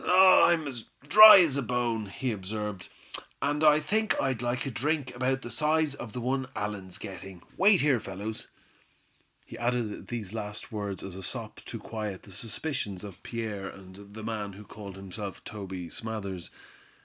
"I'm as dry as a bone," he observed, "and I think I'd like a drink about the size of the one Allan's getting. Wait here, fellows." He added these last words as a sop to quiet the suspicions of Pierre and the man who called himself Toby Smathers.